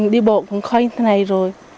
đi bộ cũng khó như thế này rồi